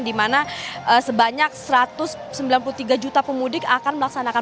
di mana sebanyak satu ratus sembilan puluh tiga juta pemudik akan melaksanakan